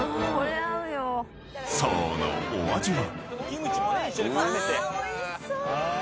［そのお味は？］